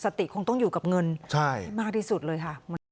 เงินสติคงต้องอยู่กับเงินมากที่สุดเลยค่ะ